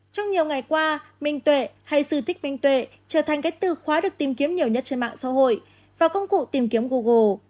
trong nhiều ngày qua minh tuệ hay sư thích minh tuệ trở thành cái từ khóa được tìm kiếm nhiều nhất trên mạng xã hội vào công cụ tìm kiếm google